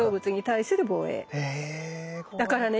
だからね